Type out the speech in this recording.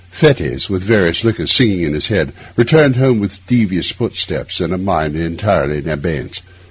Fettes, with various liquors singing in his head, returned home with devious footsteps and a mind entirely in abeyance.